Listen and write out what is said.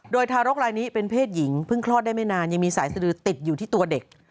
โดยทารกลายนี้เป็นเพศหญิงเพิ่งคลอดได้ไม่นานยังมีสายสดือติดอยู่ที่ตัวเด็ก